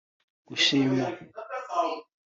Gushima